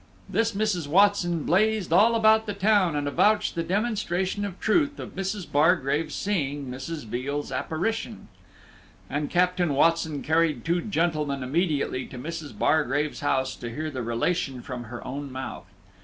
This Mrs. Watson blazed all about the town, and avouched the demonstration of truth of Mrs. Bargrave's seeing Mrs. Veal's apparition. And Captain Watson carried two gentlemen immediately to Mrs. Bargrave's house to hear the relation from her own mouth.